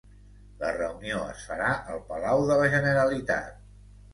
La reunió es farà al Palau de la Generalitat